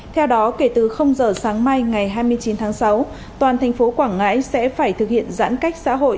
theo đó kể từ giờ sáng mai ngày hai mươi chín tháng sáu toàn thành phố quảng ngãi sẽ phải thực hiện giãn cách xã hội